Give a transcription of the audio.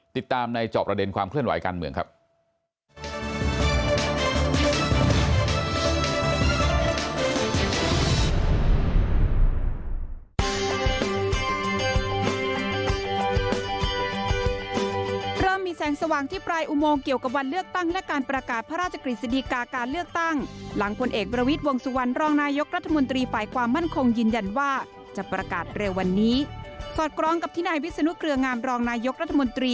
ติดตามในจอบประเด็นความเคลื่อนไหวการเมืองครับ